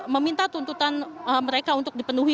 meminta tuntutan mereka untuk dipenuhi